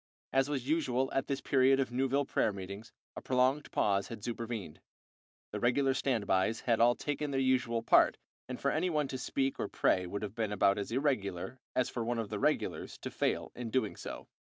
As was usual at this period of Newville prayer meetings, a prolonged pause had supervened. The regular standbyes had all taken their usual part, and for any one to speak or pray would have been about as irregular as for one of the regulars to fail in doing so.